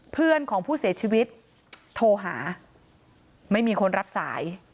เพื่อนของผู้เสียชีวิตโทรหาไม่มีคนรับสาย